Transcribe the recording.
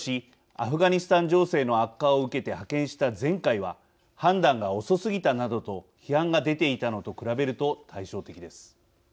アフガニスタン情勢の悪化を受けて派遣した前回は判断が遅すぎたなどと批判が出ていたのと比べると対照的です。